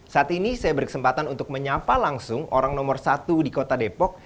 saat ini saya berkesempatan untuk menyapa langsung orang nomor satu di kota depok